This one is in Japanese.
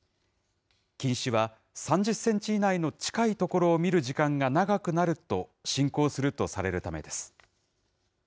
近視は３０センチ以内の近いところを見る時間が長くなると進行するとされるためです。